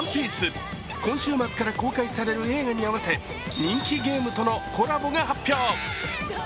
今週末から公開される映画に合わせ人気ゲームとのコラボが発表。